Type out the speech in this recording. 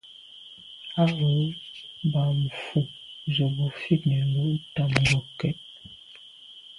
Á rə̌ bā mfū zə̄ bú fí nə̌ lǔ’ tɑ̂mə̀ ngokɛ́t.